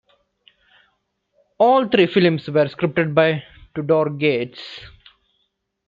All three films were scripted by Tudor Gates.